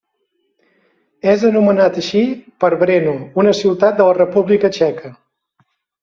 És anomenat així por Brno, una ciutat de la República Txeca.